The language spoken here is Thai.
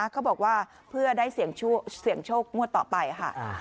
เขาบอกว่าเพื่อได้เสี่ยงโชคงวดต่อไปค่ะ